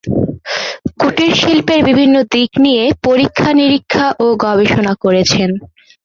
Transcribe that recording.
কুটির শিল্পের বিভিন্ন দিক নিয়ে পরীক্ষা নিরীক্ষা ও গবেষণা করেছেন।